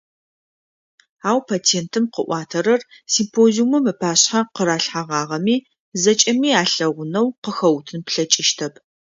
Ау, патентым къыӏуатэрэр, симпозиумым ыпашъхьэ къыралъхьэгъагъэми, зэкӏэми алъэгъунэу къыхэуутын плъэкӏыщтэп.